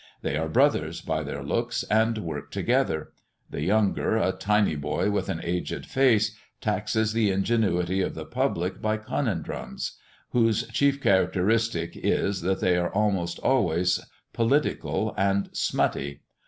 They are brothers, by their looks, and work together. The younger, a tiny boy with an aged face, taxes the ingenuity of the public by conundrums, whose chief characteristic is, that they are almost always political and smutty.